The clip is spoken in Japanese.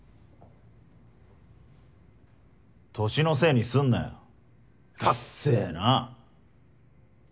年のせいにすんなよだせぇな。